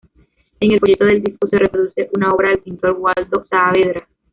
En el folleto del disco se reproduce una obra del pintor Waldo Saavedra.